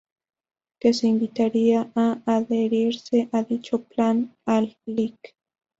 Que se invitaría a adherirse a dicho plan al Lic.